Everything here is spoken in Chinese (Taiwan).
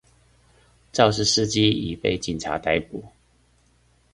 肇事司機已被警方逮捕